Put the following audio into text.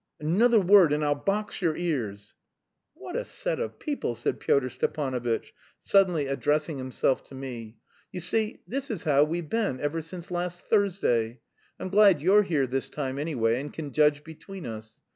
"Another word and I'll box your ears." "What a set of people!" said Pyotr Stepanovitch, suddenly addressing himself to me. "You see, this is how we've been ever since last Thursday. I'm glad you're here this time, anyway, and can judge between us.